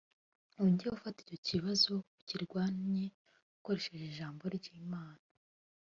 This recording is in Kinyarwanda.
ujye ufata icyo kibazo ukirwanye ukoresheje ijambo ry’Imana